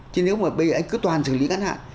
chứ nếu mà bây anh cứ toàn xử lý ngắn hạn